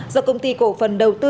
do công ty cổ phần đầu tư